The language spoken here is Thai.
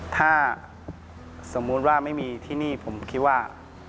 ถ้าสมมุติว่าไม่มีที่นี่ผมคิดว่า